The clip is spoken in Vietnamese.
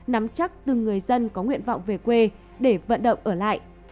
nắm chắc từng người dân có nguyện vọng về quê để vận động ở lại